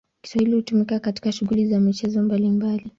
Kiswahili hutumika katika shughuli za michezo mbalimbali.